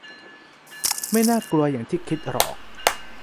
'ไม่น่ากลัวอย่างที่คิดหรอก'